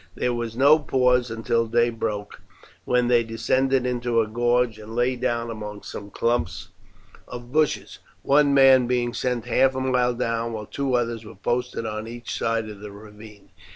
There was no pause until day broke, when they descended into a gorge and lay down among some clumps of bushes, one man being sent half a mile down while two others were posted on each side of the ravine.